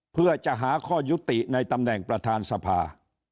เพื่อจะหาข้อยุติในตำแหน่งประธานสภา